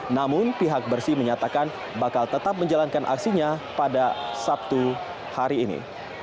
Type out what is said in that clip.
namun pihak bersih menyatakan bakal tetap menjalankan aksinya pada sabtu hari ini